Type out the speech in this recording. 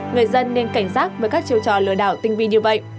người dân nên cảnh giác với các chiêu trò lừa đảo tinh vi như vậy